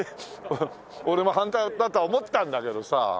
俺も反対だとは思ってたんだけどさ